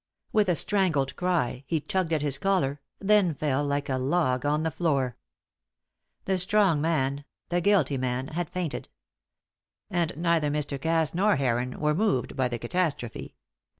With a strangled cry he tugged at his collar, then fell like a log on the floor. The strong man, the guilty man, had fainted. And, neither Mr. Cass nor Heron were moved by the catastrophe.